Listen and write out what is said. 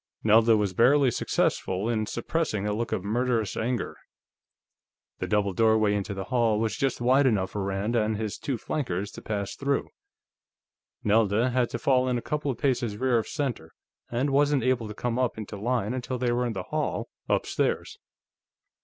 Nelda was barely successful in suppressing a look of murderous anger. The double doorway into the hall was just wide enough for Rand and his two flankers to pass through; Nelda had to fall in a couple of paces rear of center, and wasn't able to come up into line until they were in the hall upstairs.